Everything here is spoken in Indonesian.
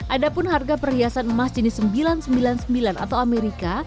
ada pun harga perhiasan emas jenis sembilan ratus sembilan puluh sembilan atau amerika